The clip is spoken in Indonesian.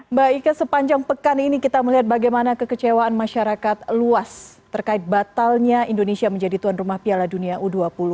mbak ika sepanjang pekan ini kita melihat bagaimana kekecewaan masyarakat luas terkait batalnya indonesia menjadi tuan rumah piala dunia u dua puluh